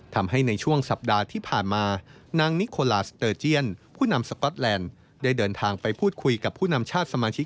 ทำให้ในช่วงสัปดาห์ที่ผ่านมา